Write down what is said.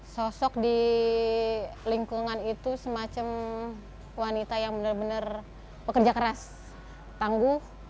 sosok di lingkungan itu semacam wanita yang benar benar pekerja keras tangguh